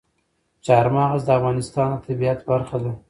چار مغز د افغانستان د طبیعت برخه ده.